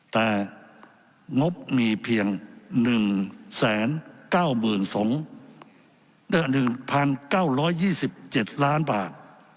แต่งบมีเพียง๑๙๒๑๙๒๗ล้านบาท